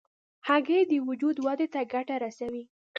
هګۍ د وجود ودې ته ګټه رسوي.